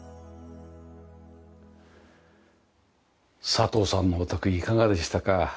佐藤さんのお宅いかがでしたか？